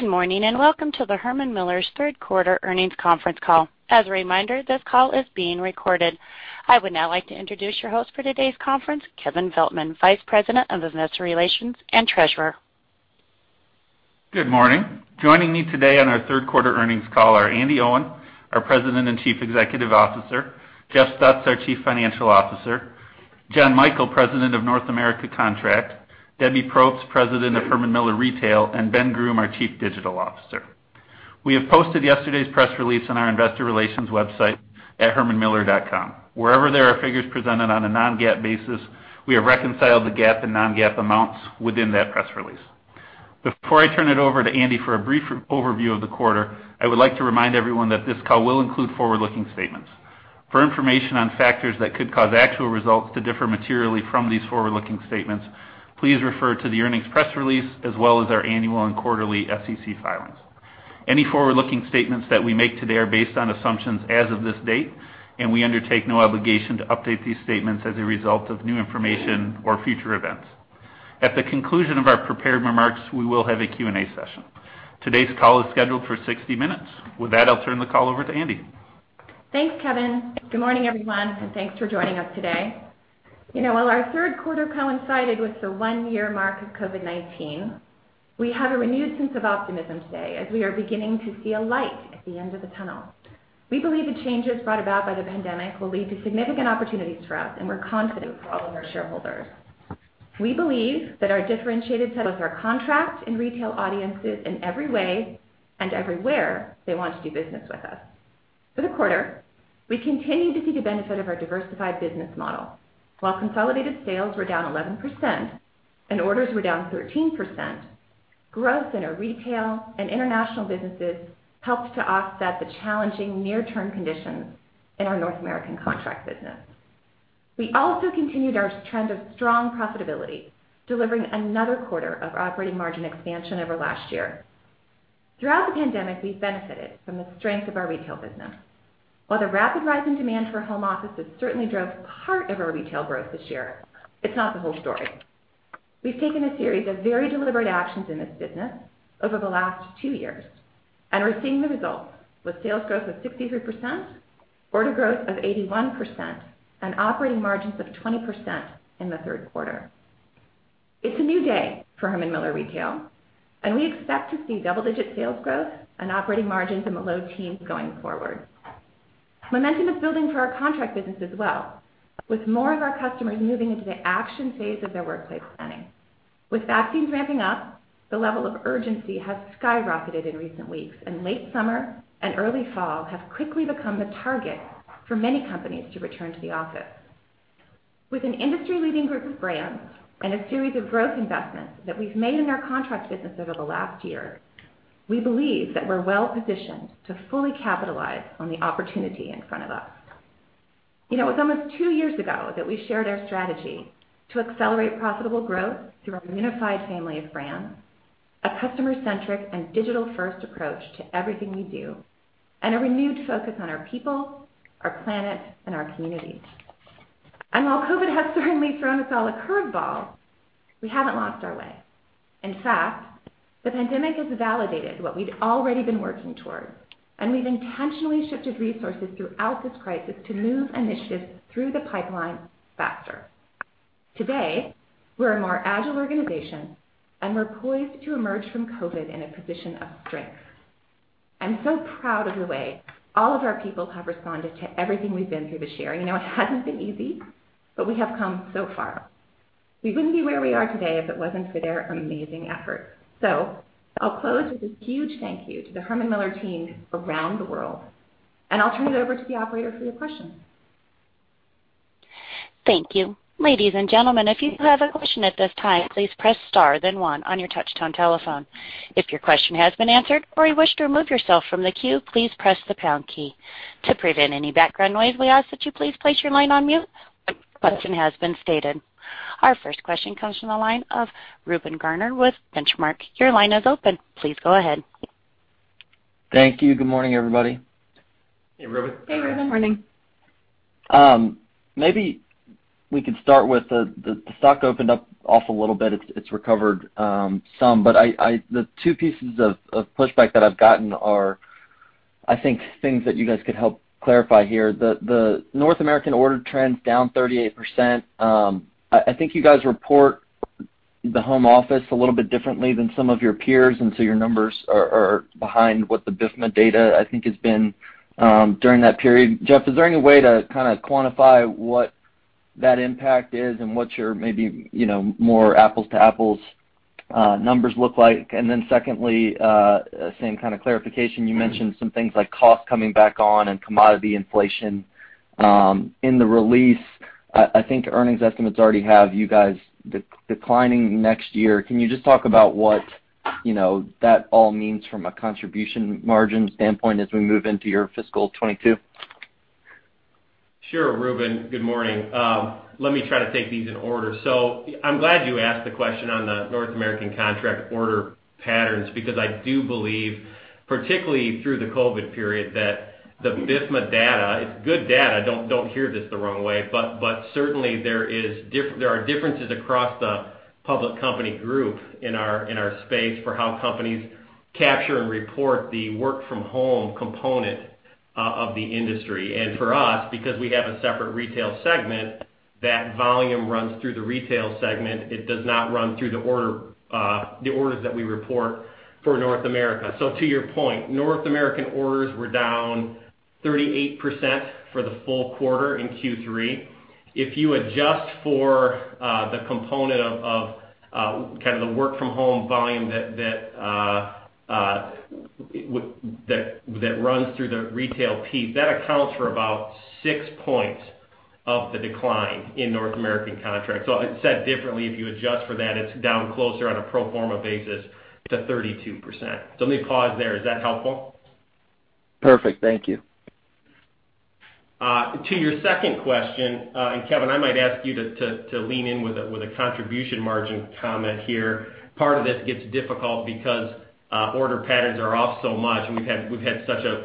Good morning. Welcome to the Herman Miller's third quarter earnings conference call. As a reminder, this call is being recorded. I would now like to introduce your host for today's conference, Kevin Veltman, Vice President of Investor Relations and Treasurer. Good morning. Joining me today on our third quarter earnings call are Andi Owen, our President and Chief Executive Officer; Jeff Stutz, our Chief Financial Officer; John Michael, President of North America Contract; Debbie Propst, President of Herman Miller Retail; and Ben Groom, our Chief Digital Officer. We have posted yesterday's press release on our investor relations website at millerknoll.com. Wherever there are figures presented on a non-GAAP basis, we have reconciled the GAAP and non-GAAP amounts within that press release. Before I turn it over to Andi for a brief overview of the quarter, I would like to remind everyone that this call will include forward-looking statements. For information on factors that could cause actual results to differ materially from these forward-looking statements, please refer to the earnings press release, as well as our annual and quarterly SEC filings. Any forward-looking statements that we make today are based on assumptions as of this date, and we undertake no obligation to update these statements as a result of new information or future events. At the conclusion of our prepared remarks, we will have a Q&A session. Today's call is scheduled for 60 minutes. With that, I'll turn the call over to Andi. Thanks, Kevin. Good morning, everyone, and thanks for joining us today. While our third quarter coincided with the one-year mark of COVID-19, we have a renewed sense of optimism today as we are beginning to see a light at the end of the tunnel. We believe the changes brought about by the pandemic will lead to significant opportunities for us, and we're confident for all of our shareholders. We believe that our differentiated set of our contract and retail audiences in every way and everywhere they want to do business with us. For the quarter, we continued to see the benefit of our diversified business model. While consolidated sales were down 11% and orders were down 13%, growth in our retail and international businesses helped to offset the challenging near-term conditions in our North American contract business. We also continued our trend of strong profitability, delivering another quarter of operating margin expansion over last year. Throughout the pandemic, we've benefited from the strength of our retail business. While the rapid rise in demand for home offices certainly drove part of our retail growth this year, it's not the whole story. We've taken a series of very deliberate actions in this business over the last two years, and we're seeing the results with sales growth of 63%, order growth of 81%, and operating margins of 20% in the third quarter. It's a new day for Herman Miller retail, and we expect to see double-digit sales growth and operating margins in the low teens going forward. Momentum is building for our contract business as well, with more of our customers moving into the action phase of their workplace planning. With vaccines ramping up, the level of urgency has skyrocketed in recent weeks, and late summer and early fall have quickly become the target for many companies to return to the office. With an industry-leading group of brands and a series of growth investments that we've made in our contract business over the last year, we believe that we're well positioned to fully capitalize on the opportunity in front of us. It was almost two years ago that we shared our strategy to accelerate profitable growth through our unified family of brands, a customer-centric and digital-first approach to everything we do, and a renewed focus on our people, our planet, and our communities. While COVID-19 has certainly thrown us all a curveball, we haven't lost our way. In fact, the pandemic has validated what we'd already been working toward, and we've intentionally shifted resources throughout this crisis to move initiatives through the pipeline faster. Today, we're a more agile organization, and we're poised to emerge from COVID in a position of strength. I'm so proud of the way all of our people have responded to everything we've been through this year. It hasn't been easy, but we have come so far. We wouldn't be where we are today if it wasn't for their amazing efforts. I'll close with a huge thank you to the Herman Miller team around the world, and I'll turn it over to the operator for your questions. Thank you. Ladies and gentlemen, if you have a question at this time, please press star then one on your touchtone telephone. If your question has been answered or you wish to remove yourself from the queue, please press the pound key. To prevent any background noise, we ask that you please place your line on mute. Once again, as been stated. Our first question comes from the line of Reuben Garner with Benchmark. Your line is open. Please go ahead. Thank you. Good morning, everybody. Hey, Reuben. Hey, Reuben. Good morning. Maybe we could start with the stock opened up off a little bit. It's recovered some. The two pieces of pushback that I've gotten are, I think things that you guys could help clarify here. The North American order trends down 38%. I think you guys report the home office a little bit differently than some of your peers, your numbers are behind what the BIFMA data, I think, has been during that period. Jeff, is there any way to kind of quantify what that impact is and what your maybe more apples-to-apples numbers look like? Secondly, same kind of clarification. You mentioned some things like cost coming back on and commodity inflation. In the release, I think earnings estimates already have you guys declining next year. Can you just talk about what that all means from a contribution margin standpoint as we move into your FY 2022? Sure, Reuben. Good morning. Let me try to take these in order. I'm glad you asked the question on the North America Contract order patterns because I do believe Particularly through the COVID period that the BIFMA data, it's good data, don't hear this the wrong way. Certainly there are differences across the public company group in our space for how companies capture and report the work from home component of the industry. For us, because we have a separate retail segment, that volume runs through the retail segment. It does not run through the orders that we report for North America. To your point, North American orders were down 38% for the full quarter in Q3. If you adjust for the component of the work from home volume that runs through the retail piece, that accounts for about six points of the decline in North American contracts. Said differently, if you adjust for that, it's down closer on a pro forma basis to 32%. Let me pause there. Is that helpful? Perfect. Thank you. To your second question, Kevin, I might ask you to lean in with a contribution margin comment here. Part of this gets difficult because order patterns are off so much, and we've had so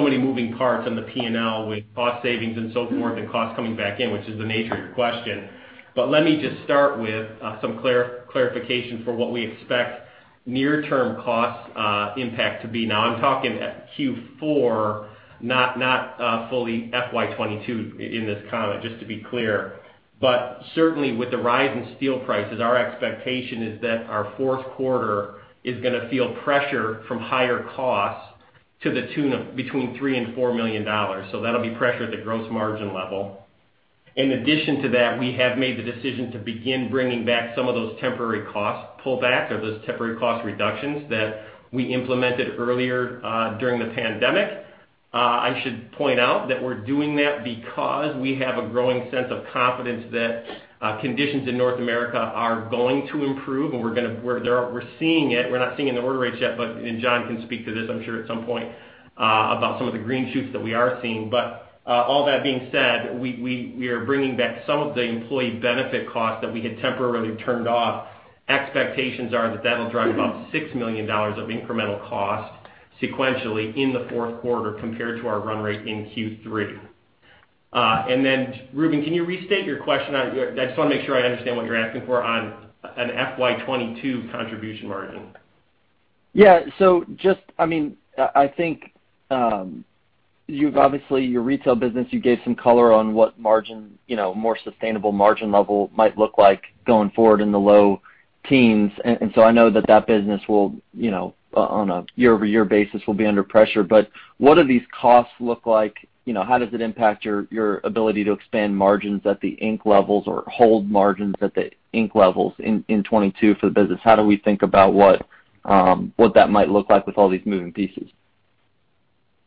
many moving parts in the P&L with cost savings and so forth, and costs coming back in, which is the nature of your question. Let me just start with some clarification for what we expect near-term cost impact to be. Now, I'm talking Q4, not fully FY 2022 in this comment, just to be clear. Certainly with the rise in steel prices, our expectation is that our fourth quarter is going to feel pressure from higher costs to the tune of between $3 and $4 million. That'll be pressure at the gross margin level. In addition to that, we have made the decision to begin bringing back some of those temporary cost pullbacks or those temporary cost reductions that we implemented earlier, during the pandemic. I should point out that we're doing that because we have a growing sense of confidence that conditions in North America are going to improve, and we're seeing it. We're not seeing it in the order rates yet, but John can speak to this, I'm sure at some point, about some of the green shoots that we are seeing. All that being said, we are bringing back some of the employee benefit costs that we had temporarily turned off. Expectations are that that'll drive about $6 million of incremental cost sequentially in the fourth quarter compared to our run rate in Q3. Reuben, can you restate your question? I just want to make sure I understand what you're asking for on an FY 2022 contribution margin. I think, obviously your retail business, you gave some color on what more sustainable margin level might look like going forward in the low teens. I know that that business will, on a year-over-year basis, will be under pressure. What do these costs look like? How does it impact your ability to expand margins at the peak levels or hold margins at the peak levels in 2022 for the business? How do we think about what that might look like with all these moving pieces?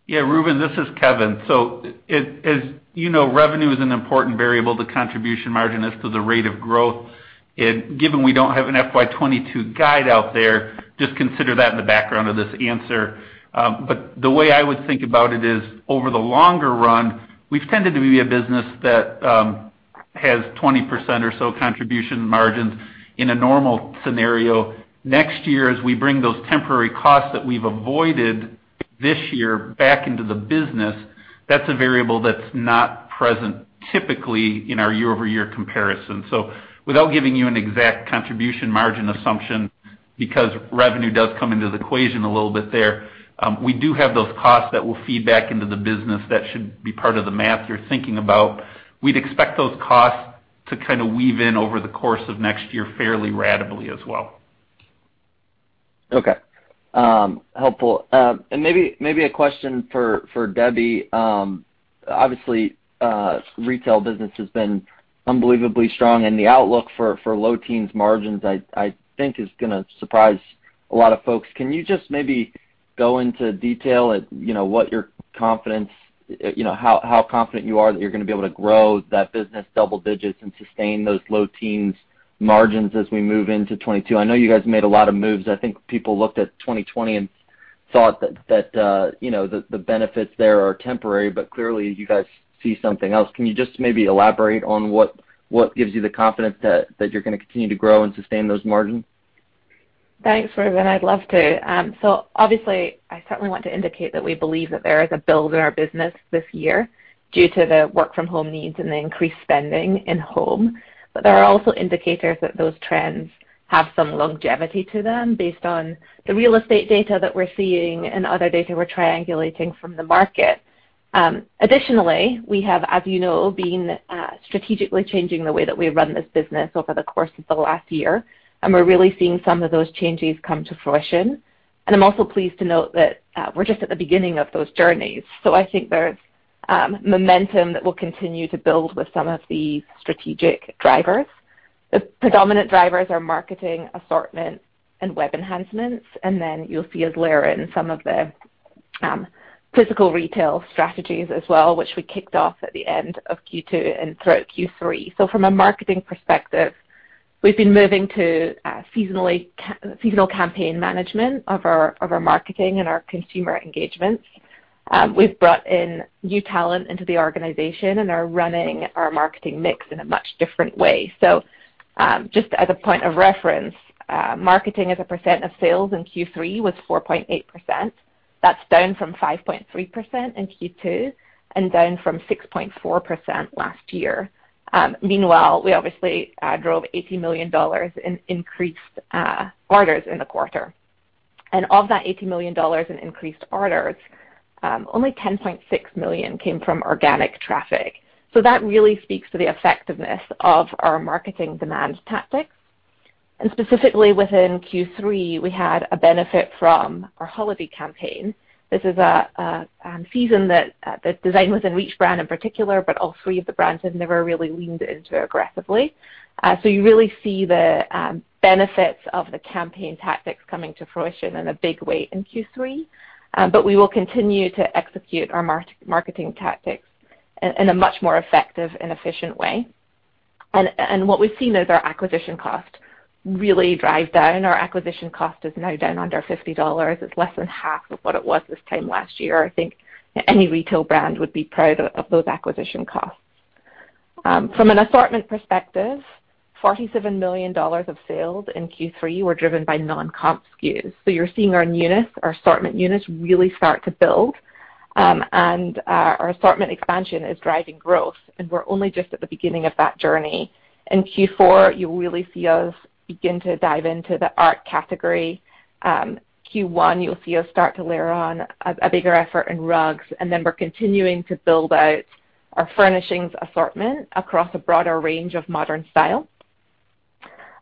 Yeah, Reuben, this is Kevin. As you know, revenue is an important variable to contribution margin as to the rate of growth. Given we don't have an FY 2022 guide out there, just consider that in the background of this answer. The way I would think about it is over the longer run, we've tended to be a business that has 20% or so contribution margins in a normal scenario. Next year, as we bring those temporary costs that we've avoided this year back into the business, that's a variable that's not present typically in our year-over-year comparison. Without giving you an exact contribution margin assumption, because revenue does come into the equation a little bit there, we do have those costs that will feed back into the business that should be part of the math you're thinking about. We'd expect those costs to kind of weave in over the course of next year fairly ratably as well. Okay. Helpful. Maybe a question for Debbie. Obviously, retail business has been unbelievably strong, and the outlook for low teens margins, I think is going to surprise a lot of folks. Can you just maybe go into detail at how confident you are that you're going to be able to grow that business double digits and sustain those low teens margins as we move into 2022? I know you guys made a lot of moves. I think people looked at 2020 and thought that the benefits there are temporary, but clearly you guys see something else. Can you just maybe elaborate on what gives you the confidence that you're going to continue to grow and sustain those margins? Thanks, Reuben. I'd love to. Obviously, I certainly want to indicate that we believe that there is a build in our business this year due to the work from home needs and the increased spending in home. There are also indicators that those trends have some longevity to them based on the real estate data that we're seeing and other data we're triangulating from the market. Additionally, we have, as you know, been strategically changing the way that we run this business over the course of the last year, and we're really seeing some of those changes come to fruition. I'm also pleased to note that we're just at the beginning of those journeys. I think there's momentum that will continue to build with some of the strategic drivers. The predominant drivers are marketing, assortment, and web enhancements. You'll see us layer in some of the physical retail strategies as well, which we kicked off at the end of Q2 and throughout Q3. From a marketing perspective, we've been moving to seasonal campaign management of our marketing and our consumer engagements. We've brought in new talent into the organization and are running our marketing mix in a much different way. Just as a point of reference, marketing as a % of sales in Q3 was 4.8%. That's down from 5.3% in Q2, and down from 6.4% last year. Meanwhile, we obviously drove $80 million in increased orders in the quarter. Of that $80 million in increased orders, only $10.6 million came from organic traffic. That really speaks to the effectiveness of our marketing demand tactics. Specifically within Q3, we had a benefit from our holiday campaign. This is a season that Design Within Reach brand in particular, but all three of the brands have never really leaned into aggressively. You really see the benefits of the campaign tactics coming to fruition in a big way in Q3. We will continue to execute our marketing tactics in a much more effective and efficient way. What we've seen is our acquisition cost really drive down. Our acquisition cost is now down under $50. It's less than half of what it was this time last year. I think any retail brand would be proud of those acquisition costs. From an assortment perspective, $47 million of sales in Q3 were driven by non-comp SKUs. You're seeing our units, our assortment units, really start to build. Our assortment expansion is driving growth, and we're only just at the beginning of that journey. In Q4, you'll really see us begin to dive into the art category. Q1, you'll see us start to layer on a bigger effort in rugs. We're continuing to build out our furnishings assortment across a broader range of modern style.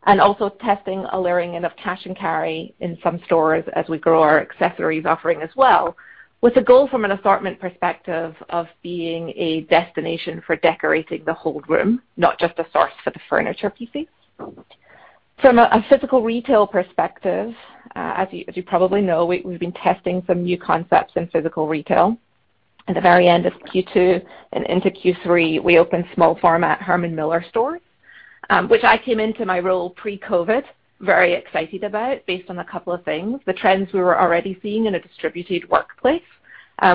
Also testing a layering in of cash and carry in some stores as we grow our accessories offering as well, with a goal from an assortment perspective of being a destination for decorating the whole room, not just a source for the furniture pieces. From a physical retail perspective, as you probably know, we've been testing some new concepts in physical retail. At the very end of Q2 and into Q3, we opened small format Herman Miller stores, which I came into my role pre-COVID very excited about based on a couple of things. The trends we were already seeing in a distributed workplace,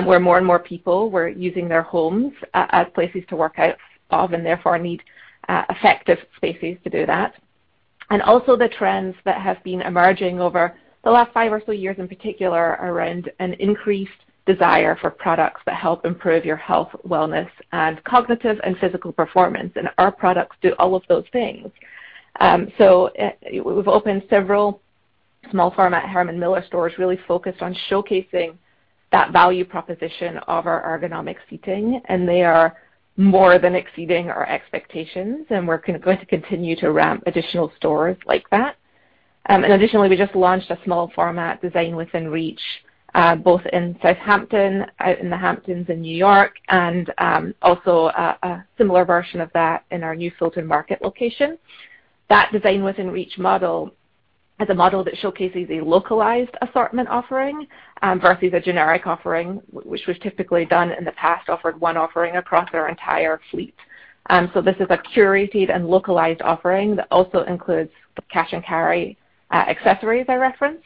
where more and more people were using their homes as places to work out of and therefore need effective spaces to do that. Also the trends that have been emerging over the last five or so years in particular around an increased desire for products that help improve your health, wellness, and cognitive and physical performance. Our products do all of those things. We've opened several small format Herman Miller stores really focused on showcasing that value proposition of our ergonomic seating, and they are more than exceeding our expectations, and we're going to continue to ramp additional stores like that. Additionally, we just launched a small format Design Within Reach, both in Southampton, out in the Hamptons in N.Y., and also a similar version of that in our new Fulton Market location. That Design Within Reach model is a model that showcases a localized assortment offering versus a generic offering, which was typically done in the past, offered one offering across our entire fleet. This is a curated and localized offering that also includes the cash and carry accessories I referenced.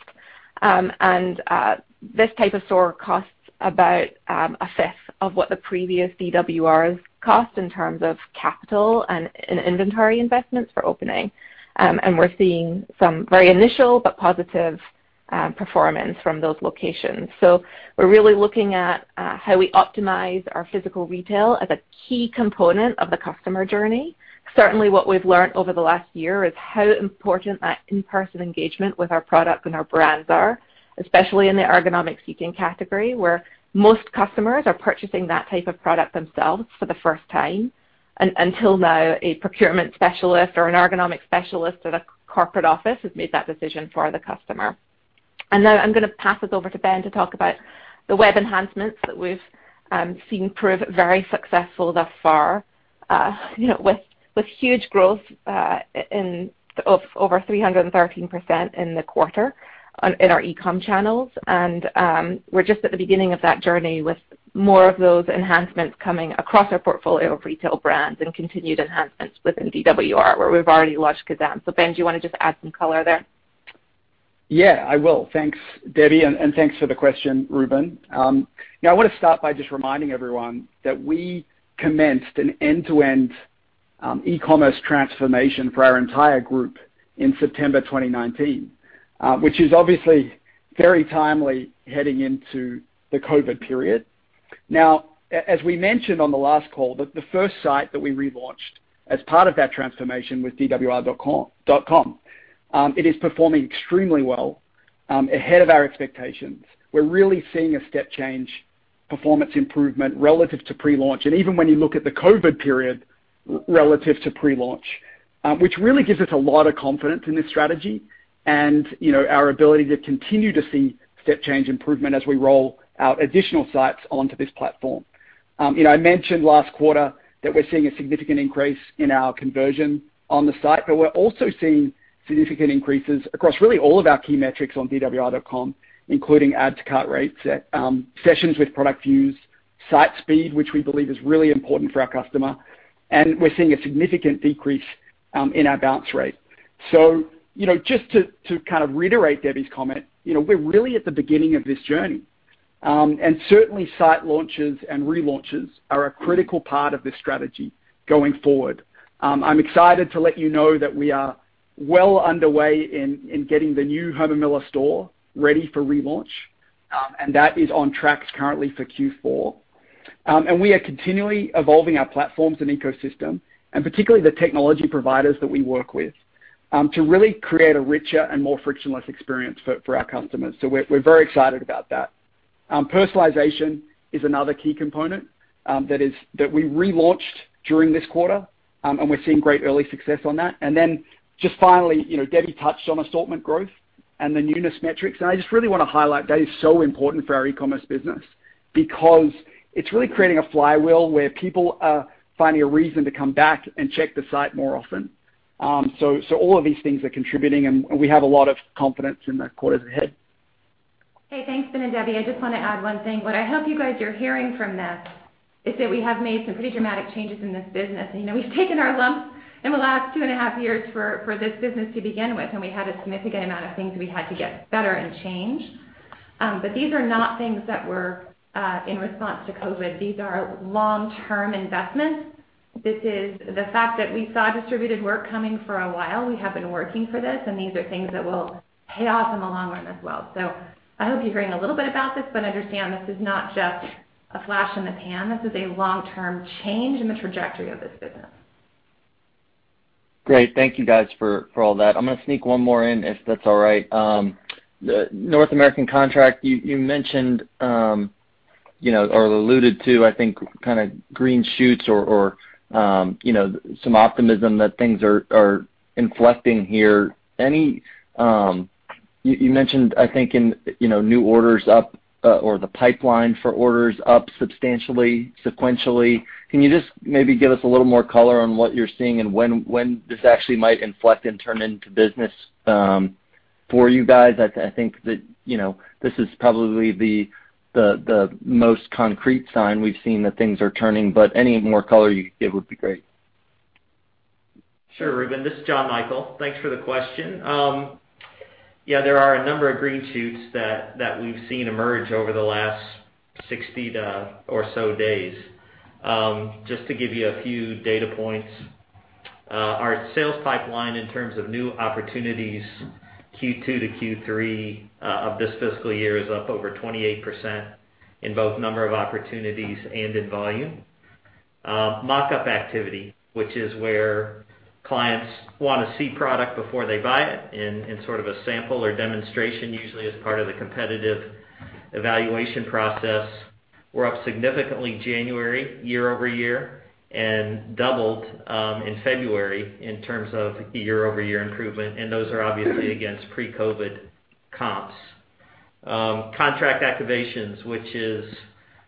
This type of store costs about a fifth of what the previous DWRs cost in terms of capital and inventory investments for opening. We're seeing some very initial but positive performance from those locations. We're really looking at how we optimize our physical retail as a key component of the customer journey. Certainly what we've learned over the last year is how important that in-person engagement with our products and our brands are, especially in the ergonomics seating category, where most customers are purchasing that type of product themselves for the first time. Until now, a procurement specialist or an ergonomics specialist at a corporate office has made that decision for the customer. Now I'm going to pass it over to Ben to talk about the web enhancements that we've seen prove very successful thus far. With huge growth of over 313% in the quarter in our e-com channels. We're just at the beginning of that journey with more of those enhancements coming across our portfolio of retail brands and continued enhancements within DWR, where we've already launched Kazam. Ben, do you want to just add some color there? Yeah, I will. Thanks, Debbie, and thanks for the question, Reuben. I want to start by just reminding everyone that we commenced an end-to-end e-commerce transformation for our entire group in September 2019, which is obviously very timely heading into the COVID-19 period. As we mentioned on the last call, the first site that we relaunched as part of that transformation was dwr.com. It is performing extremely well, ahead of our expectations. We're really seeing a step change performance improvement relative to pre-launch, and even when you look at the COVID-19 period relative to pre-launch. Really gives us a lot of confidence in this strategy and our ability to continue to see step change improvement as we roll out additional sites onto this platform. I mentioned last quarter that we're seeing a significant increase in our conversion on the site. We're also seeing significant increases across really all of our key metrics on dwr.com, including add to cart rates, sessions with product views, site speed, which we believe is really important for our customer, and we're seeing a significant decrease in our bounce rate. Just to kind of reiterate Debbie's comment, we're really at the beginning of this journey. Certainly, site launches and relaunches are a critical part of this strategy going forward. I'm excited to let you know that we are well underway in getting the new Herman Miller store ready for relaunch, and that is on track currently for Q4. We are continually evolving our platforms and ecosystem, particularly the technology providers that we work with, to really create a richer and more frictionless experience for our customers. We're very excited about that. Personalization is another key component that we relaunched during this quarter, and we're seeing great early success on that. Then just finally, Debbie touched on assortment growth and the newness metrics, and I just really want to highlight that is so important for our e-commerce business because it's really creating a flywheel where people are finding a reason to come back and check the site more often. All of these things are contributing, and we have a lot of confidence in the quarters ahead. Hey, thanks, Ben and Debbie. I just want to add one thing. What I hope you guys are hearing from this is that we have made some pretty dramatic changes in this business. We've taken our lumps in the last two and a half years for this business to begin with, and we had a significant amount of things we had to get better and change. These are not things that were in response to COVID. These are long-term investments. This is the fact that we saw distributed work coming for a while. We have been working for this, and these are things that will pay off in the long run as well. I hope you're hearing a little bit about this, but understand this is not just a flash in the pan. This is a long-term change in the trajectory of this business. Great. Thank you guys for all that. I'm going to sneak one more in if that's all right. The North American contract you mentioned, or alluded to, I think kind of green shoots or some optimism that things are inflecting here. You mentioned, I think in new orders up or the pipeline for orders up substantially sequentially. Can you just maybe give us a little more color on what you're seeing and when this actually might inflect and turn into business for you guys? I think that this is probably the most concrete sign we've seen that things are turning, but any more color you could give would be great. Sure, Reuben, this is John Michael. Thanks for the question. Yeah, there are a number of green shoots that we've seen emerge over the last 60 or so days. Just to give you a few data points. Our sales pipeline in terms of new opportunities, Q2 to Q3 of this fiscal year is up over 28% in both number of opportunities and in volume. Mock-up activity, which is where clients want to see product before they buy it in sort of a sample or demonstration, usually as part of the competitive evaluation process. We're up significantly January year-over-year and doubled in February in terms of year-over-year improvement, and those are obviously against pre-COVID comps. Contract activations, which is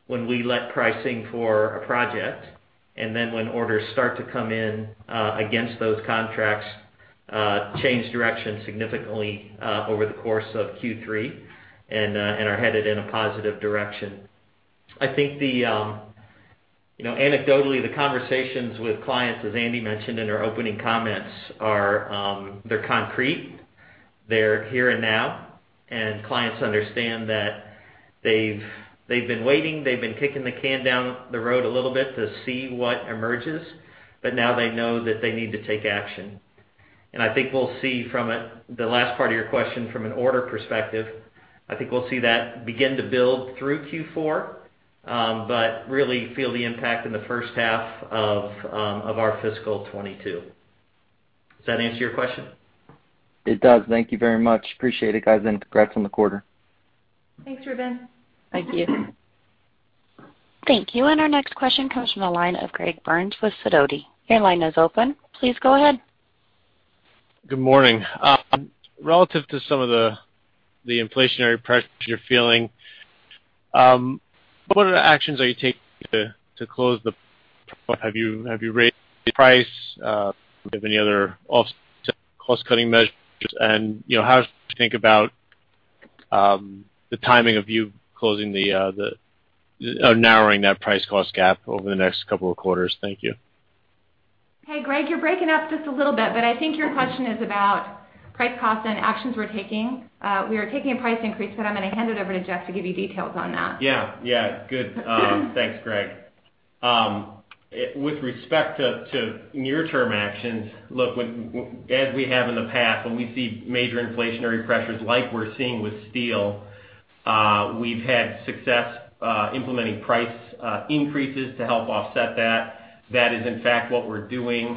when we let pricing for a project, then when orders start to come in against those contracts, change direction significantly over the course of Q3 and are headed in a positive direction. I think anecdotally, the conversations with clients, as Andi mentioned in our opening comments are, they're concrete, they're here and now, and clients understand that they've been waiting, they've been kicking the can down the road a little bit to see what emerges, but now they know that they need to take action. I think we'll see from the last part of your question from an order perspective, I think we'll see that begin to build through Q4, but really feel the impact in the first half of our fiscal 2022. Does that answer your question? It does. Thank you very much. Appreciate it, guys. Congrats on the quarter. Thanks, Reuben. Thank you. Thank you. Our next question comes from the line of Greg Burns with Sidoti & Company. Your line is open. Please go ahead. Good morning. Relative to some of the inflationary pressure you're feeling, what are the actions are you taking? Have you raised price? Do you have any other offset cost-cutting measures? How should we think about the timing of you closing or narrowing that price cost gap over the next couple of quarters? Thank you. Hey, Greg, you're breaking up just a little bit, but I think your question is about price cost and actions we're taking. We are taking a price increase, but I'm going to hand it over to Jeff to give you details on that. Yeah. Good. Thanks, Greg. With respect to near-term actions, look, as we have in the past, when we see major inflationary pressures like we're seeing with steel, we've had success implementing price increases to help offset that. That is in fact what we're doing.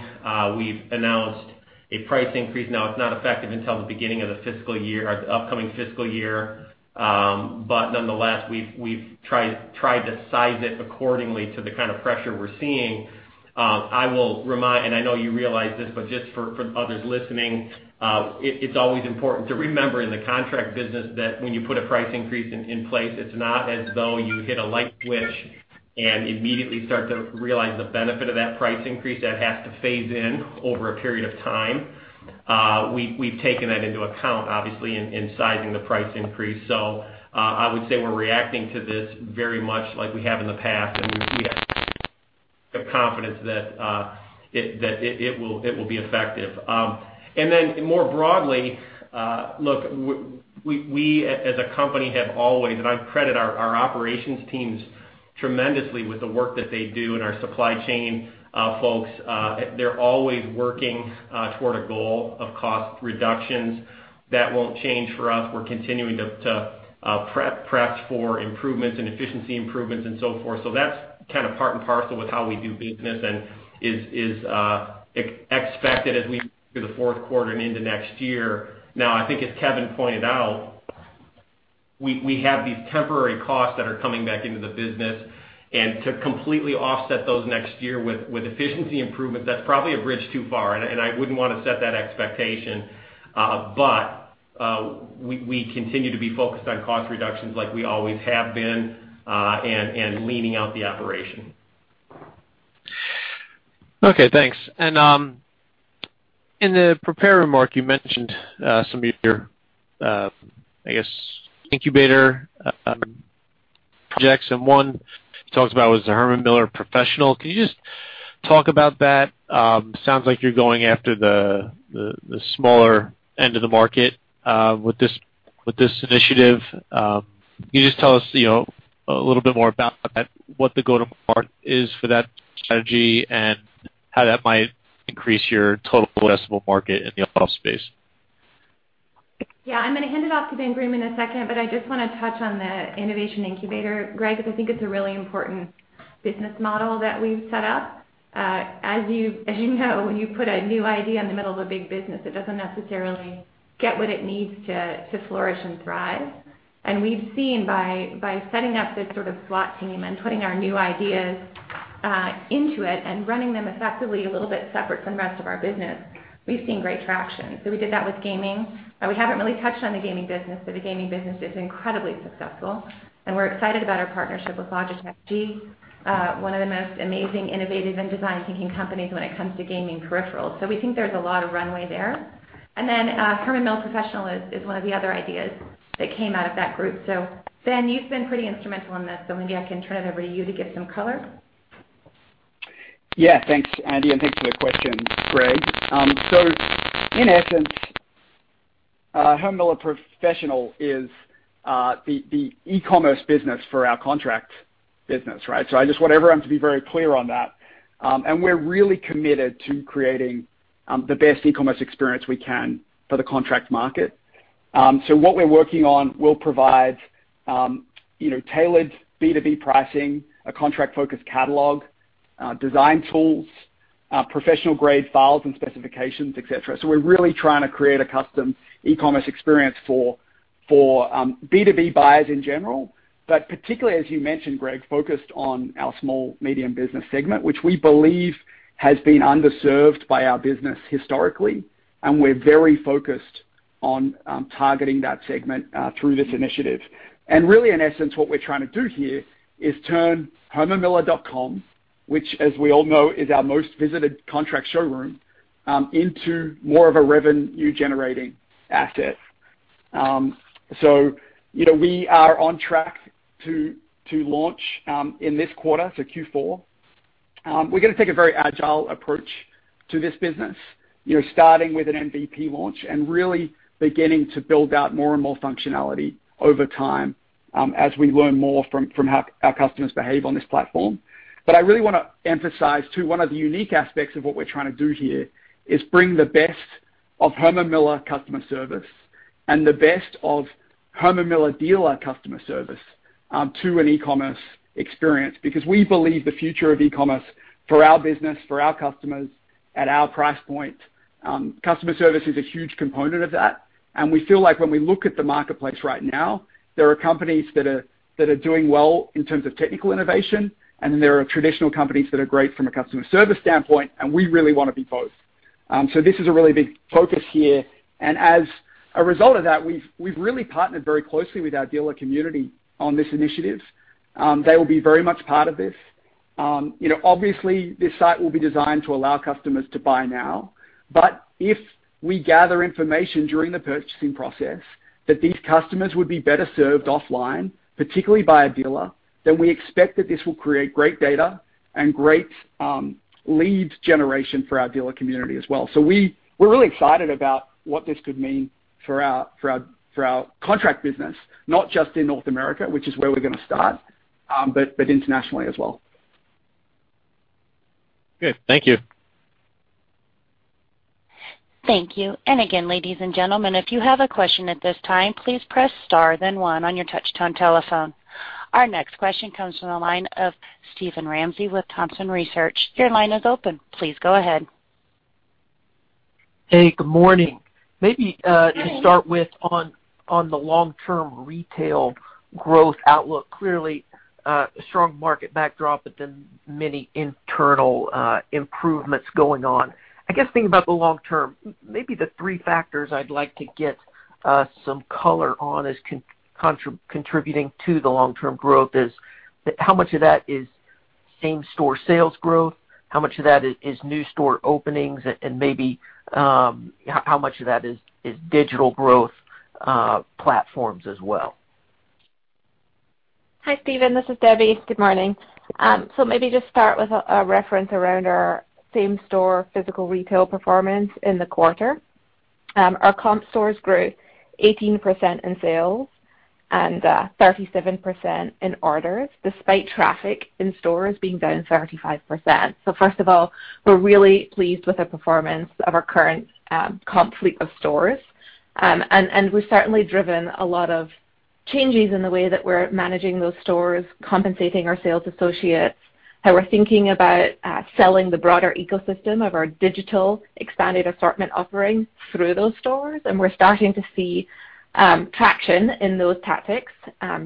We've announced a price increase. It's not effective until the beginning of the fiscal year, our upcoming fiscal year. Nonetheless, we've tried to size it accordingly to the kind of pressure we're seeing. I will remind, I know you realize this, just for others listening, it's always important to remember in the contract business that when you put a price increase in place, it's not as though you hit a light switch and immediately start to realize the benefit of that price increase. That has to phase in over a period of time. We've taken that into account, obviously, in sizing the price increase. I would say we're reacting to this very much like we have in the past, and we see a. The confidence that it will be effective. More broadly, look, we as a company have always, and I credit our operations teams tremendously with the work that they do and our supply chain folks, they're always working toward a goal of cost reductions. That won't change for us. We're continuing to press for improvements and efficiency improvements and so forth. That's part and parcel with how we do business and is expected as we move through the fourth quarter and into next year. I think as Kevin pointed out, we have these temporary costs that are coming back into the business, and to completely offset those next year with efficiency improvements, that's probably a bridge too far, and I wouldn't want to set that expectation. We continue to be focused on cost reductions like we always have been, and leaning out the operation. Okay, thanks. In the prepared remark, you mentioned some of your, I guess, incubator projects, and one you talked about was the Herman Miller Professional. Can you just talk about that? It sounds like you're going after the smaller end of the market, with this initiative. Can you just tell us a little bit more about that, what the go-to market is for that strategy, and how that might increase your total addressable market in the office space? I'm going to hand it off to Ben Groom in a second, but I just want to touch on the innovation incubator, Greg, because I think it's a really important business model that we've set up. As you know, when you put a new idea in the middle of a big business, it doesn't necessarily get what it needs to flourish and thrive. We've seen by setting up this sort of SWAT team and putting our new ideas into it and running them effectively a little bit separate from the rest of our business, we've seen great traction. We did that with gaming. We haven't really touched on the gaming business, but the gaming business is incredibly successful, and we're excited about our partnership with Logitech G, one of the most amazing, innovative, and design-thinking companies when it comes to gaming peripherals. We think there's a lot of runway there. Herman Miller Professional is one of the other ideas that came out of that group. Ben, you've been pretty instrumental in this, so maybe I can turn it over to you to give some color. Thanks, Andi, and thanks for the question, Greg. In essence, Herman Miller Professional is the e-commerce business for our contract business. I just want everyone to be very clear on that. We're really committed to creating the best e-commerce experience we can for the contract market. What we're working on will provide tailored B2B pricing, a contract-focused catalog, design tools, professional-grade files and specifications, et cetera. We're really trying to create a custom e-commerce experience for B2B buyers in general, but particularly, as you mentioned, Greg, focused on our small, medium business segment, which we believe has been underserved by our business historically, and we're very focused on targeting that segment, through this initiative. Really, in essence, what we're trying to do here is turn millerknoll.com, which as we all know, is our most visited contract showroom, into more of a revenue-generating asset. We are on track to launch in this quarter, Q4. We're going to take a very agile approach to this business, starting with an MVP launch and really beginning to build out more and more functionality over time, as we learn more from how our customers behave on this platform. I really want to emphasize too, one of the unique aspects of what we're trying to do here is bring the best of Herman Miller customer service and the best of Herman Miller dealer customer service, to an e-commerce experience. We believe the future of e-commerce for our business, for our customers, at our price point, customer service is a huge component of that. We feel like when we look at the marketplace right now, there are companies that are doing well in terms of technical innovation, and then there are traditional companies that are great from a customer service standpoint, and we really want to be both. This is a really big focus here, and as a result of that, we've really partnered very closely with our dealer community on this initiative. They will be very much part of this. This site will be designed to allow customers to buy now, but if we gather information during the purchasing process that these customers would be better served offline, particularly by a dealer, then we expect that this will create great data and great lead generation for our dealer community as well. We're really excited about what this could mean for our contract business, not just in North America, which is where we're going to start, but internationally as well. Good. Thank you. Thank you. Again, ladies and gentlemen, if you have a question at this time, please press star then one on your touch-tone telephone. Our next question comes from the line of Steven Ramsey with Thompson Research. Your line is open. Please go ahead. Hey, good morning. Good morning. Maybe to start with on the long-term retail growth outlook. Clearly, strong market backdrop, but then many internal improvements going on. I guess thinking about the long term, maybe the three factors I'd like to get some color on as contributing to the long-term growth is, how much of that is same-store sales growth, how much of that is new store openings, and maybe how much of that is digital growth platforms as well? Hi, Steven, this is Debbie. Good morning. Maybe just start with a reference around our same-store physical retail performance in the quarter. Our comp stores grew 18% in sales and 37% in orders, despite traffic in stores being down 35%. First of all, we're really pleased with the performance of our current comp fleet of stores. We've certainly driven a lot of changes in the way that we're managing those stores, compensating our sales associates, how we're thinking about selling the broader ecosystem of our digital expanded assortment offering through those stores. We're starting to see traction in those tactics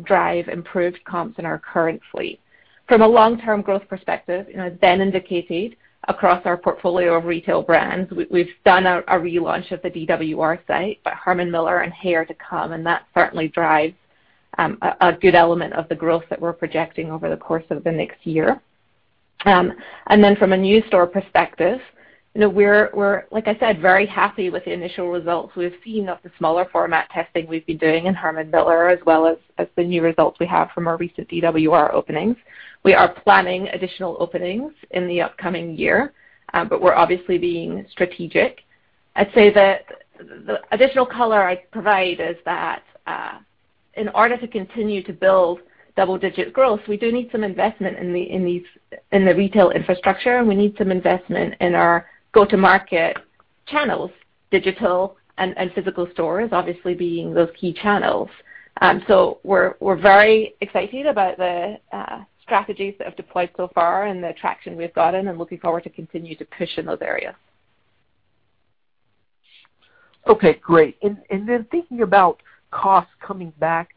drive improved comps in our current fleet. From a long-term growth perspective, Ben indicated across our portfolio of retail brands, we've done a relaunch of the dwr.com site, but Herman Miller and HAY to come, and that certainly drives a good element of the growth that we're projecting over the course of the next year. From a new store perspective, we're, like I said, very happy with the initial results we've seen of the smaller format testing we've been doing in Herman Miller as well as the new results we have from our recent DWR openings. We are planning additional openings in the upcoming year, but we're obviously being strategic. I'd say that the additional color I'd provide is that, in order to continue to build double-digit growth, we do need some investment in the retail infrastructure, and we need some investment in our go-to-market channels, digital and physical stores, obviously being those key channels. We're very excited about the strategies that have deployed so far and the traction we've gotten and looking forward to continue to push in those areas. Okay, great. Thinking about costs coming back,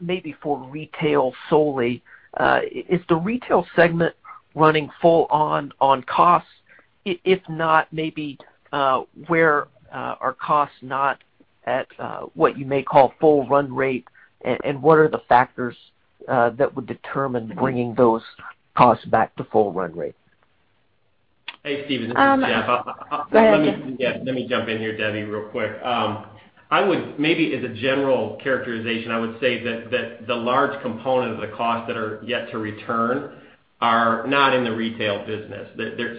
maybe for retail solely, is the retail segment running full on costs? If not, maybe where are costs not at what you may call full run rate? What are the factors that would determine bringing those costs back to full run rate? Hey, Steven, this is Jeff. Go ahead. Let me jump in here, Debbie, real quick. Maybe as a general characterization, I would say that the large component of the costs that are yet to return are not in the retail business.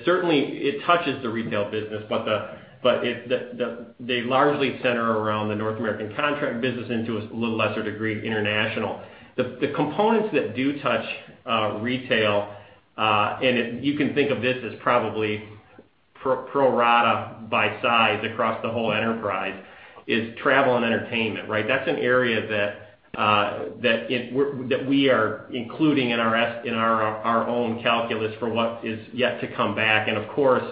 Certainly, it touches the retail business, but they largely center around the North America Contract business and to a little lesser degree, international. The components that do touch retail, and you can think of this as probably pro rata by size across the whole enterprise, is travel and entertainment, right? That's an area that we are including in our own calculus for what is yet to come back. Of course,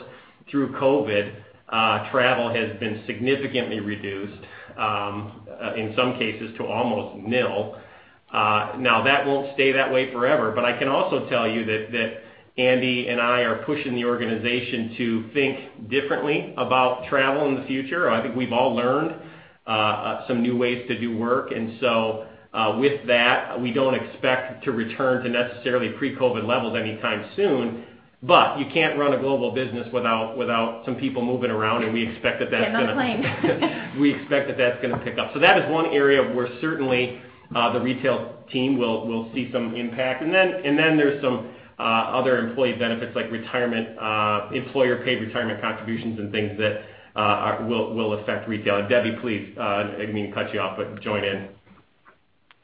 through COVID-19, travel has been significantly reduced, in some cases to almost nil. Now, that won't stay that way forever, but I can also tell you that Andi and I are pushing the organization to think differently about travel in the future. I think we've all learned some new ways to do work. With that, we don't expect to return to necessarily pre-COVID levels anytime soon. You can't run a global business without some people moving around. Get on a plane. We expect that that's gonna pick up. That is one area where certainly the retail team will see some impact. Then there's some other employee benefits like employer-paid retirement contributions and things that will affect retail. Debbie, please, I didn't mean to cut you off, but join in.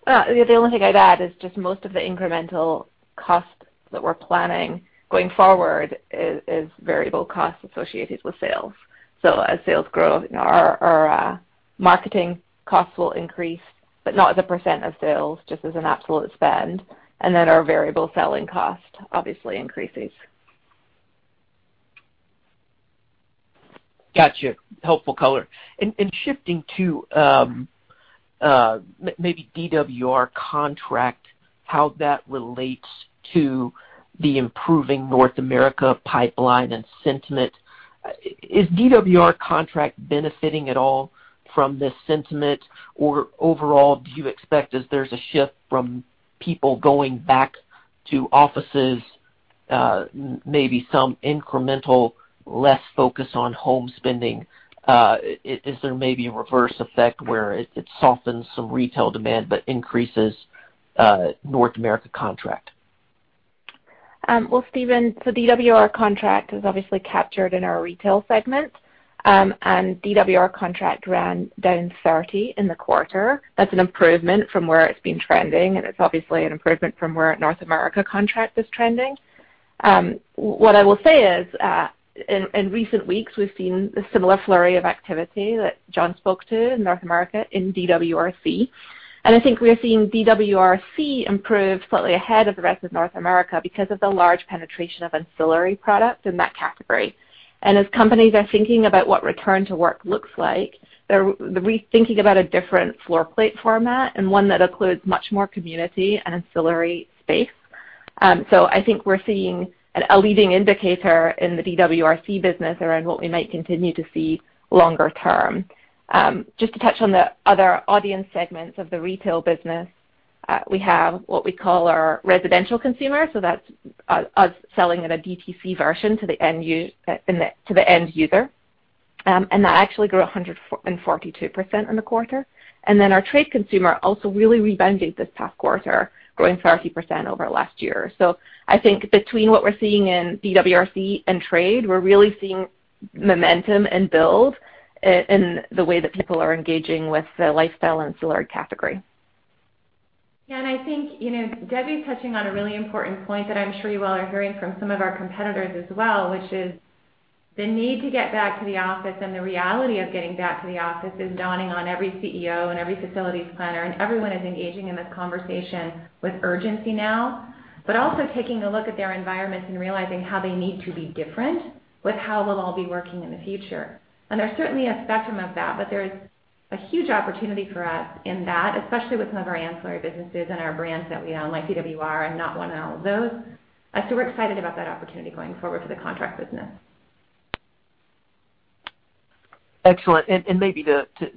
The only thing I'd add is just most of the incremental costs that we're planning going forward is variable costs associated with sales. As sales grow, our marketing costs will increase, but not as a % of sales, just as an absolute spend. Our variable selling cost obviously increases. Got you. Helpful color. Shifting to maybe DWR Contract, how that relates to the improving North America pipeline and sentiment. Is DWR Contract benefiting at all from this sentiment? Overall, do you expect as there's a shift from people going back to offices, maybe some incremental, less focus on home spending, is there maybe a reverse effect where it softens some retail demand but increases North America Contract? Steven, DWR Contract is obviously captured in our retail segment, and DWR Contract ran down 30 in the quarter. That's an improvement from where it's been trending, and it's obviously an improvement from where North America Contract is trending. What I will say is, in recent weeks, we've seen a similar flurry of activity that John spoke to in North America in DWR. I think we are seeing DWR improve slightly ahead of the rest of North America because of the large penetration of ancillary products in that category. As companies are thinking about what return to work looks like, they're rethinking about a different floor plate format and one that includes much more community and ancillary space. I think we're seeing a leading indicator in the DWR business around what we might continue to see longer term. Just to touch on the other audience segments of the retail business, we have what we call our residential consumer, so that's us selling in a DTC version to the end user. That actually grew 142% in the quarter. Then our trade consumer also really rebounded this past quarter, growing 30% over last year. I think between what we're seeing in DWR Contract and trade, we're really seeing momentum and build in the way that people are engaging with the lifestyle and ancillary category. I think Debbie's touching on a really important point that I'm sure you all are hearing from some of our competitors as well, which is the need to get back to the office and the reality of getting back to the office is dawning on every CEO and every facilities planner, and everyone is engaging in this conversation with urgency now, but also taking a look at their environment and realizing how they need to be different with how we'll all be working in the future. There's certainly a spectrum of that, but there's a huge opportunity for us in that, especially with some of our ancillary businesses and our brands that we own, like DWR and NaughtOne, and all of those. We're excited about that opportunity going forward for the contract business. Excellent. Maybe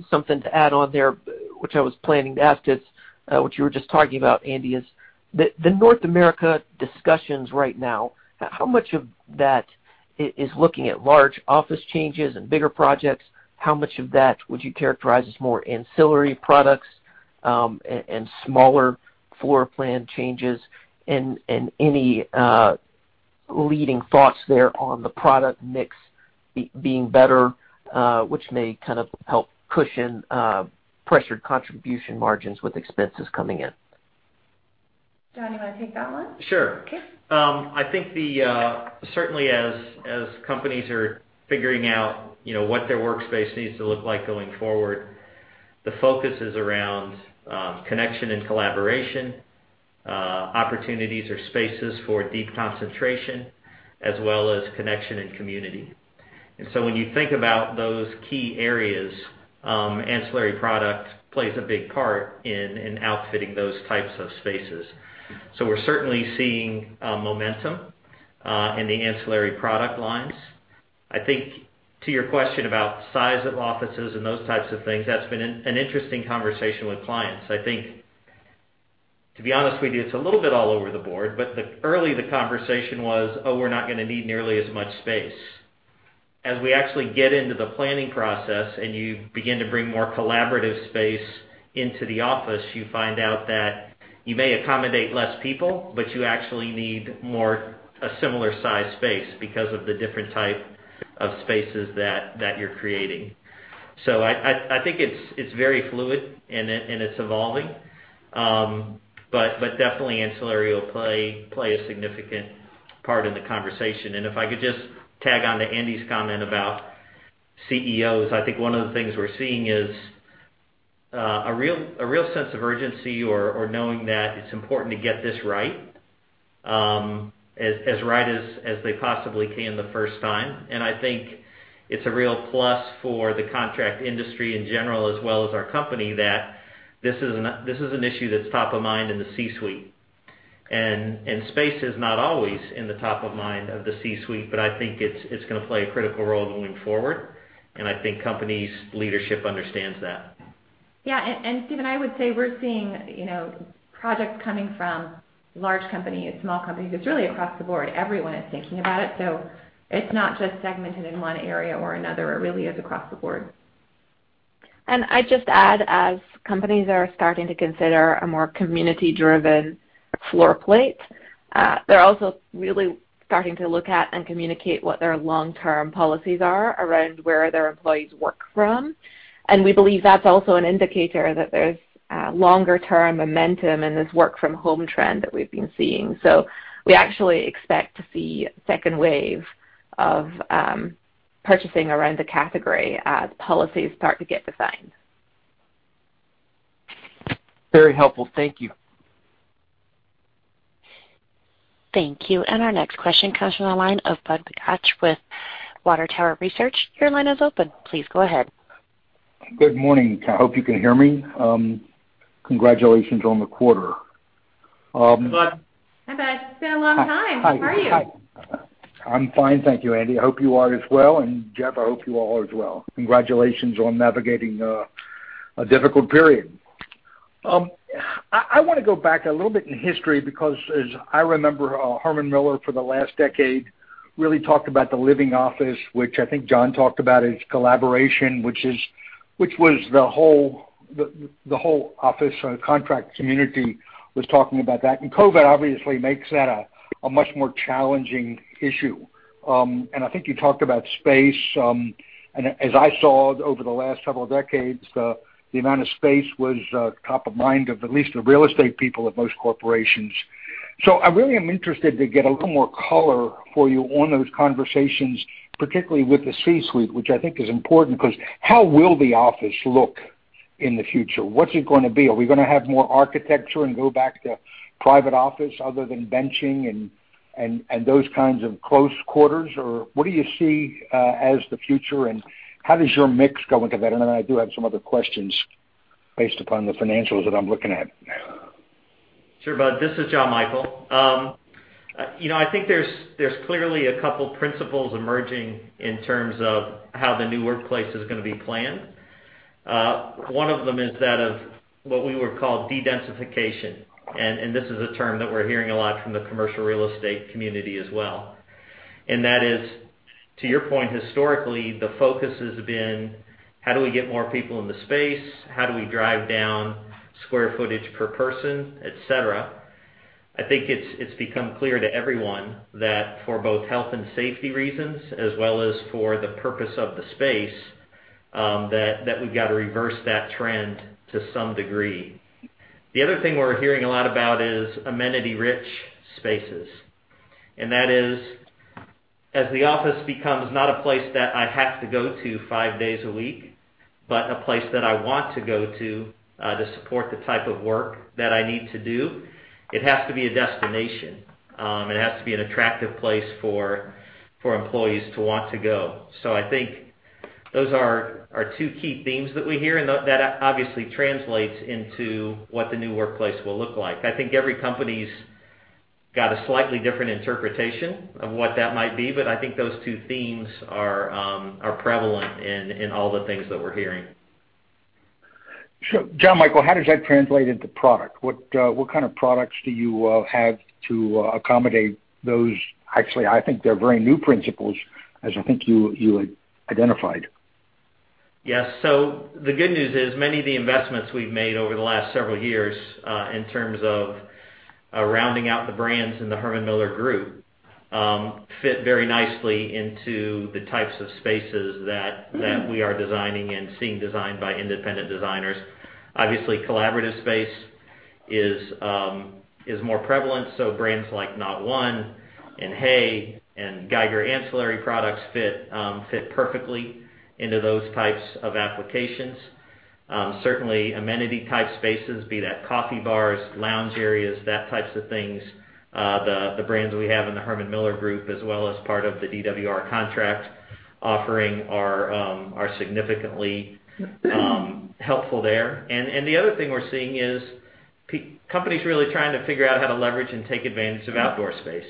something to add on there, which I was planning to ask, is what you were just talking about, Andi, is the North America discussions right now, how much of that is looking at large office changes and bigger projects? How much of that would you characterize as more ancillary products, and smaller floor plan changes? Any leading thoughts there on the product mix being better, which may help cushion pressured contribution margins with expenses coming in? John, you want to take that one? Sure. Okay. I think certainly as companies are figuring out what their workspace needs to look like going forward, the focus is around connection and collaboration, opportunities or spaces for deep concentration, as well as connection and community. When you think about those key areas, ancillary product plays a big part in outfitting those types of spaces. We're certainly seeing momentum in the ancillary product lines. I think to your question about size of offices and those types of things, that's been an interesting conversation with clients. I think, to be honest with you, it's a little bit all over the board. Early the conversation was, "Oh, we're not going to need nearly as much space." As we actually get into the planning process and you begin to bring more collaborative space into the office, you find out that you may accommodate less people, but you actually need a similar size space because of the different type of spaces that you're creating. I think it's very fluid and it's evolving. Definitely ancillary will play a significant part in the conversation. If I could just tag on to Andi's comment about CEOs, I think one of the things we're seeing is a real sense of urgency or knowing that it's important to get this right, as right as they possibly can the first time. I think it's a real plus for the contract industry in general, as well as our company, that this is an issue that's top of mind in the C-suite. Space is not always in the top of mind of the C-suite, but I think it's going to play a critical role going forward. I think companies' leadership understands that. Yeah. Steven, I would say we're seeing projects coming from large companies, small companies. It's really across the board. Everyone is thinking about it, so it's not just segmented in one area or another. It really is across the board. I'd just add, as companies are starting to consider a more community-driven floor plate, they're also really starting to look at and communicate what their long-term policies are around where their employees work from. We believe that's also an indicator that there's longer-term momentum in this work from home trend that we've been seeing. We actually expect to see a second wave of purchasing around the category as policies start to get defined. Very helpful. Thank you. Thank you. Our next question comes from the line of Budd Bugatch with Water Tower Research. Your line is open. Please go ahead. Good morning. I hope you can hear me. Congratulations on the quarter. Budd. Hi, Budd. It's been a long time. Hi. How are you? I'm fine, thank you, Andi. I hope you are as well. Jeff, I hope you all are as well. Congratulations on navigating a difficult period. I want to go back a little bit in history because as I remember, Herman Miller for the last decade really talked about the Living Office, which I think John talked about as collaboration, which was the whole office contract community was talking about that. COVID obviously makes that a much more challenging issue. I think you talked about space, and as I saw over the last several decades, the amount of space was top of mind of at least the real estate people at most corporations. I really am interested to get a little more color for you on those conversations, particularly with the C-suite, which I think is important because how will the office look in the future? What's it going to be? Are we going to have more architecture and go back to private office other than benching and those kinds of close quarters? What do you see as the future, and how does your mix go into that? I do have some other questions based upon the financials that I'm looking at. Sure, Budd. This is John Michael. I think there's clearly a couple principles emerging in terms of how the new workplace is going to be planned. One of them is that of what we would call de-densification, and this is a term that we're hearing a lot from the commercial real estate community as well. That is, to your point, historically, the focus has been how do we get more people in the space? How do we drive down square footage per person, et cetera? I think it's become clear to everyone that for both health and safety reasons, as well as for the purpose of the space, that we've got to reverse that trend to some degree. The other thing we're hearing a lot about is amenity-rich spaces. That is, as the office becomes not a place that I have to go to five days a week, but a place that I want to go to support the type of work that I need to do, it has to be a destination. It has to be an attractive place for employees to want to go. I think those are our two key themes that we hear, and that obviously translates into what the new workplace will look like. I think every company's got a slightly different interpretation of what that might be, but I think those two themes are prevalent in all the things that we're hearing. Sure. John Michael, how does that translate into product? What kind of products do you have to accommodate those? Actually, I think they're very new principles, as I think you identified. Yes. The good news is, many of the investments we've made over the last several years, in terms of rounding out the brands in the Herman Miller Group, fit very nicely into the types of spaces that we are designing and seeing designed by independent designers. Obviously, collaborative space is more prevalent, brands like NaughtOne and HAY and Geiger ancillary products fit perfectly into those types of applications. Certainly, amenity-type spaces, be that coffee bars, lounge areas, that types of things, the brands we have in the Herman Miller Group, as well as part of the DWR Contract offering are significantly helpful there. The other thing we're seeing is companies really trying to figure out how to leverage and take advantage of outdoor space.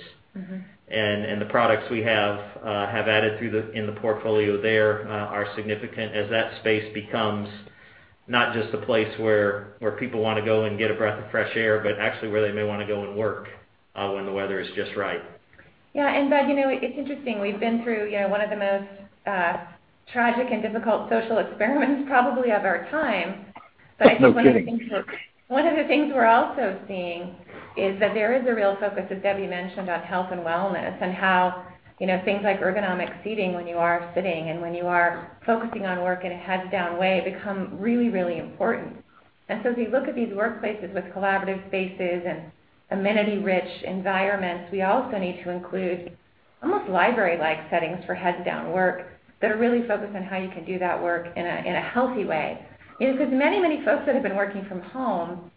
The products we have added in the portfolio there are significant as that space becomes not just a place where people want to go and get a breath of fresh air, but actually where they may want to go and work, when the weather is just right. Yeah. Budd, it's interesting. We've been through one of the most tragic and difficult social experiments probably of our time. No kidding. I think one of the things we're also seeing is that there is a real focus, as Debbie mentioned, on health and wellness and how things like ergonomic seating when you are sitting and when you are focusing on work in a heads-down way become really, really important. As we look at these workplaces with collaborative spaces and amenity-rich environments, we also need to include almost library-like settings for heads-down work that really focus on how you can do that work in a healthy way. Many, many folks that have been working from home,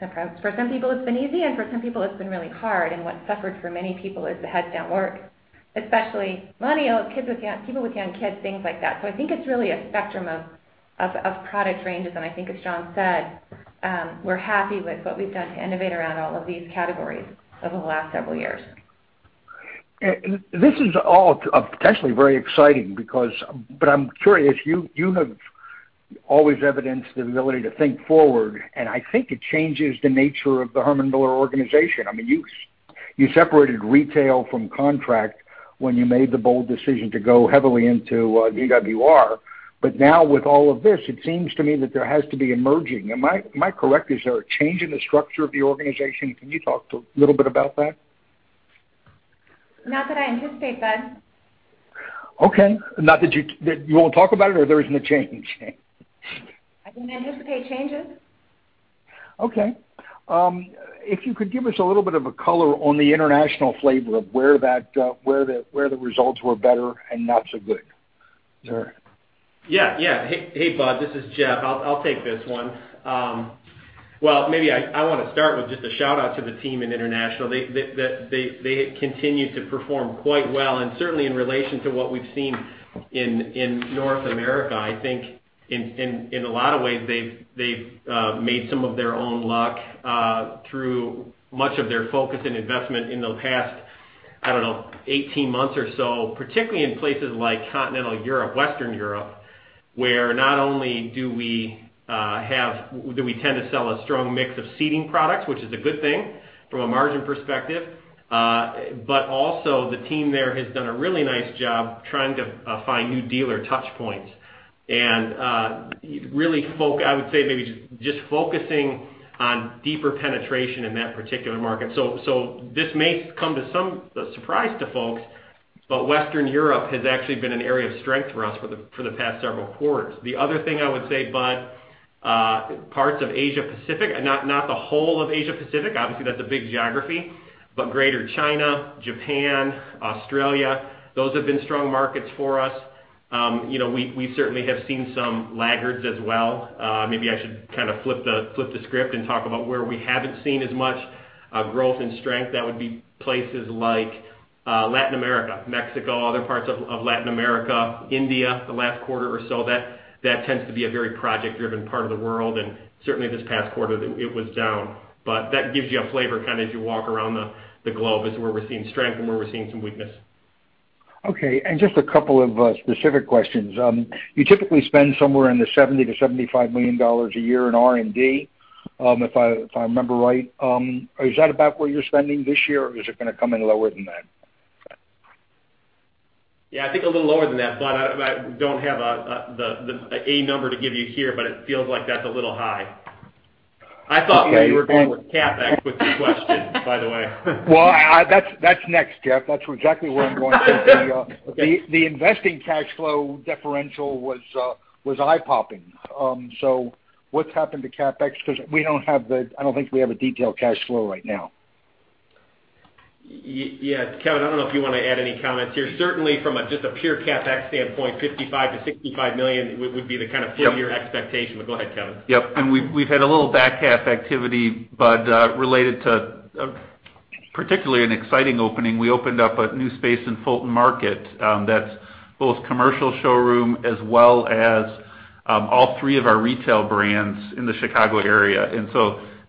for some people, it's been easy, and for some people, it's been really hard. What suffered for many people is the heads-down work, especially millennials, people with young kids, things like that. I think it's really a spectrum of product ranges, and I think as John said, we're happy with what we've done to innovate around all of these categories over the last several years. This is all potentially very exciting. I'm curious, you have always evidenced the ability to think forward, and I think it changes the nature of the Herman Miller organization. You separated retail from contract when you made the bold decision to go heavily into DWR. Now with all of this, it seems to me that there has to be emerging. Am I correct? Is there a change in the structure of the organization? Can you talk a little bit about that? Not that I anticipate, Budd. Okay. You won't talk about it, or there isn't a change? I don't anticipate changes. Okay. If you could give us a little bit of a color on the international flavor of where the results were better and not so good. Yeah. Hey, Budd. This is Jeff. I'll take this one. Well, maybe I want to start with just a shout-out to the team in international. They continue to perform quite well, and certainly in relation to what we've seen in North America, I think in a lot of ways, they've made some of their own luck, through much of their focus and investment in the past, I don't know, 18 months or so, particularly in places like continental Europe, Western Europe, where not only do we tend to sell a strong mix of seating products, which is a good thing from a margin perspective, but also the team there has done a really nice job trying to find new dealer touchpoints and really, I would say maybe just focusing on deeper penetration in that particular market. This may come to some surprise to folks, but Western Europe has actually been an area of strength for us for the past several quarters. The other thing I would say, Budd, parts of Asia Pacific, not the whole of Asia Pacific, obviously, that's a big geography, but Greater China, Japan, Australia, those have been strong markets for us. We certainly have seen some laggards as well. Maybe I should kind of flip the script and talk about where we haven't seen as much growth and strength. That would be places like Latin America, Mexico, other parts of Latin America, India, the last quarter or so. That tends to be a very project-driven part of the world, and certainly this past quarter, it was down. That gives you a flavor kind of as you walk around the globe as where we're seeing strength and where we're seeing some weakness. Okay. Just a couple of specific questions. You typically spend somewhere in the $70 million-$75 million a year in R&D, if I remember right. Is that about where you're spending this year, or is it going to come in lower than that? I think a little lower than that, Budd. I don't have a number to give you here, but it feels like that's a little high. Okay. You were going with CapEx with your question, by the way. Well, that's next, Jeff. That's exactly where I'm going. Okay. The investing cash flow differential was eye-popping. What's happened to CapEx? I don't think we have a detailed cash flow right now. Kevin, I don't know if you want to add any comments here. Certainly from just a pure CapEx standpoint, $55 million-$65 million would be the kind of full year expectation. Yep. Go ahead, Kevin. Yep. We've had a little back half activity, but related to particularly an exciting opening. We opened up a new space in Fulton Market that's both commercial showroom as well as all three of our retail brands in the Chicago area.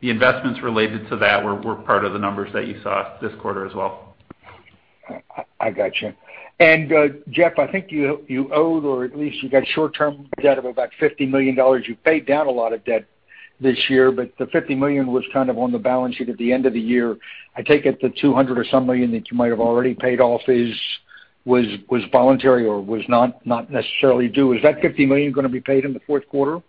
The investments related to that were part of the numbers that you saw this quarter as well. I got you. Jeff, I think you owed or at least you got short-term debt of about $50 million. You paid down a lot of debt this year, the $50 million was kind of on the balance sheet at the end of the year. I take it the $200 million or some that you might have already paid off was voluntary or was not necessarily due. Is that $50 million going to be paid in the fourth quarter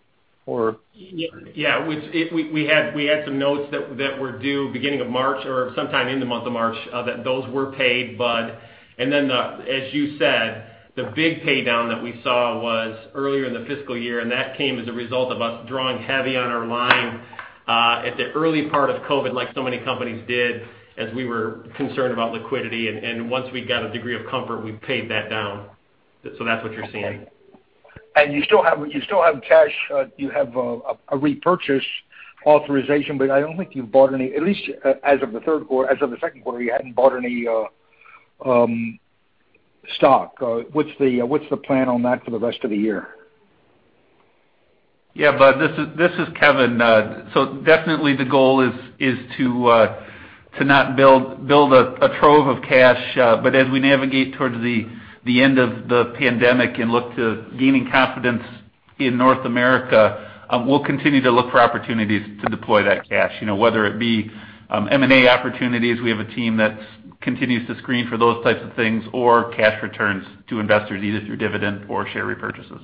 or? We had some notes that were due beginning of March or sometime in the month of March. Those were paid, Budd. Then, as you said, the big paydown that we saw was earlier in the fiscal year, and that came as a result of us drawing heavy on our line, at the early part of COVID-19 like so many companies did as we were concerned about liquidity. Once we got a degree of comfort, we paid that down. That's what you're seeing. Okay. You still have cash. You have a repurchase authorization, I don't think you've bought any, at least as of the second quarter, you hadn't bought any stock. What's the plan on that for the rest of the year? Yeah, Budd. This is Kevin. Definitely the goal is to not build a trove of cash. As we navigate towards the end of the pandemic and look to gaining confidence in North America, we'll continue to look for opportunities to deploy that cash. Whether it be M&A opportunities, we have a team that continues to screen for those types of things or cash returns to investors, either through dividend or share repurchases.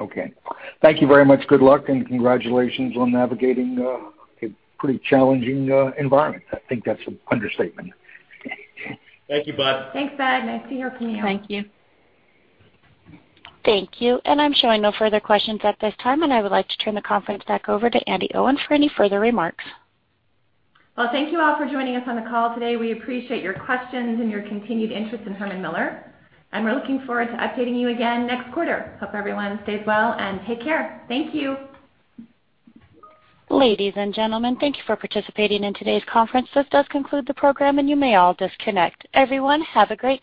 Okay. Thank you very much. Good luck and congratulations on navigating a pretty challenging environment. I think that's an understatement. Thank you, Budd. Thanks, Budd. Nice to hear from you. Thank you. Thank you. I'm showing no further questions at this time. I would like to turn the conference back over to Andi Owen for any further remarks. Well, thank you all for joining us on the call today. We appreciate your questions and your continued interest in Herman Miller, we're looking forward to updating you again next quarter. Hope everyone stays well and take care. Thank you. Ladies and gentlemen, thank you for participating in today's conference. This does conclude the program, and you may all disconnect. Everyone, have a great day.